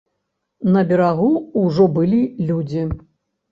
На берагу ўжо былі людзі.